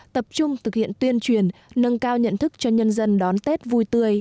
tập trung thực hiện tuyên truyền nâng cao nhận thức cho nhân dân đón tết vui tươi